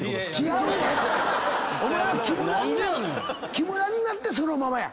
⁉木村になってそのまま。